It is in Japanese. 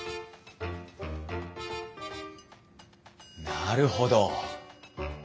なるほど。